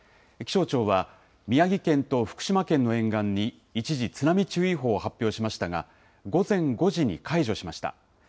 気象庁は宮城県と福島県の沿岸に一時、津波注意報を発表しましたが午前５時に解除しました。